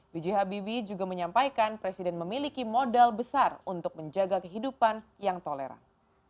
b j habibie juga menyampaikan presiden memiliki modal besar untuk menjaga kehidupan yang toleran